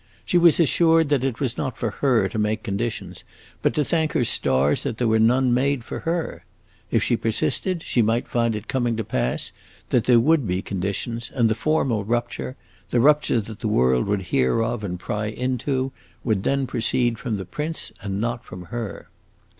She was assured that it was not for her to make conditions, but to thank her stars that there were none made for her. If she persisted, she might find it coming to pass that there would be conditions, and the formal rupture the rupture that the world would hear of and pry into would then proceed from the prince and not from her."